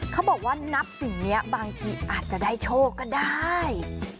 เขาบอกว่านับสิ่งนี้บางทีอาจจะได้โชคก็ได้